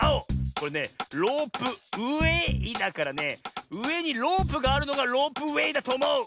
これねロープウエーだからねうえにロープがあるのがロープウエーだとおもう！